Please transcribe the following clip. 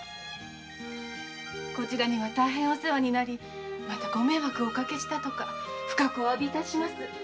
こちらには大変お世話になった上ご迷惑をおかけし深くおわび致します。